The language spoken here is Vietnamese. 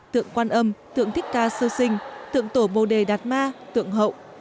tượng quan âm tượng thích ca sơ sinh tượng tổ bồ đề đạt ma tượng hậu